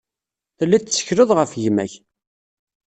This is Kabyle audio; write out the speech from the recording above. Telliḍ tettekleḍ ɣef gma-k.